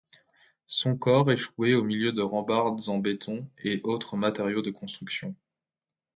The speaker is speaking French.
Son corps échoué au milieu de rambardes en béton et autres matériaux de construction.